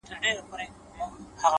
پوهه د محدودو نظریو پولې پراخوي!